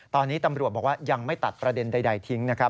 ตอนนี้ตำรวจบอกว่ายังไม่ตัดประเด็นใดทิ้งนะครับ